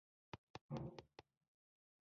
انرژي په جول اندازه کېږي.